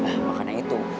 nah makanya itu